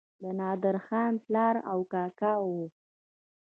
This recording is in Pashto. د نادرخان پلار او کاکا وو.